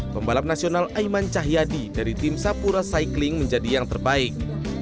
pembalap nasional aiman cahyadi dari tim sapura cycling menjadi yang terbaik